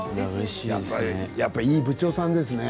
やっぱりいい部長さんですね。